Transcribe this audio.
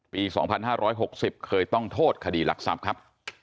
ปี๒๕๖๐เคยต้องโทษคดีหลักทรัพย์ครับ